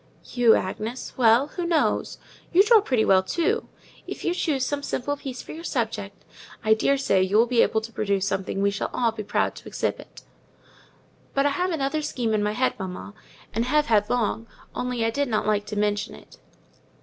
"You, Agnes! well, who knows? You draw pretty well, too: if you choose some simple piece for your subject, I daresay you will be able to produce something we shall all be proud to exhibit." "But I have another scheme in my head, mamma, and have had long, only I did not like to mention it."